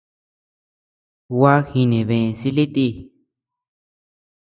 Gua jinebe silï ti.